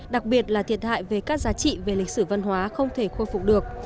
đặc biệt là thiệt hại về các giá trị về lịch sử văn hóa không thể khôi phục được